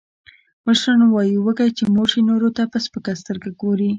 مشران وایي، وږی چې موړ شي، نورو ته په سپکه سترگه گوري.